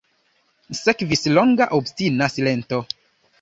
Sekvis longa, obstina silento.